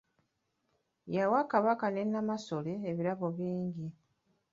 Yawa Kabaka ne Nnamasole ebirabo bingi.